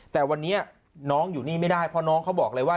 แต่วันนี้น้องอยู่นี่ไม่ได้เพราะน้องเขาบอกเลยว่า